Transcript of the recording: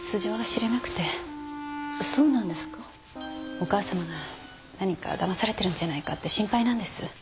お母さまが何かだまされてるんじゃないかって心配なんです。